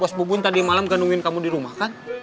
bos bubun tadi malam gandungin kamu di rumah kan